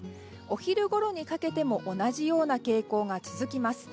お昼ごろにかけても同じような傾向が続きます。